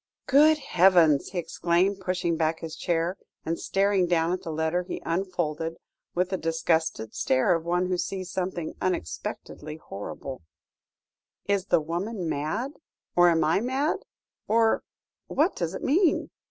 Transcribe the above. "Good heavens!" he exclaimed, pushing back his chair, and staring down at the letter he unfolded, with the disgusted stare of one who sees something unexpectedly horrible, "is the woman mad? or am I mad? or what does it mean?"